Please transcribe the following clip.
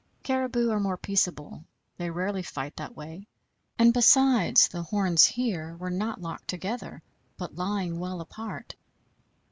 Caribou are more peaceable; they rarely fight that way; and, besides, the horns here were not locked together, but lying well apart.